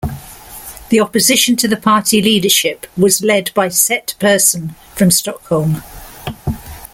The opposition to the party leadership was led by Set Persson from Stockholm.